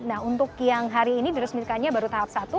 nah untuk yang hari ini diresmikannya baru tahap satu